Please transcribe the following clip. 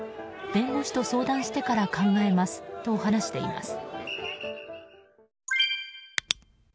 弁護士と相談してから考えますと話しています。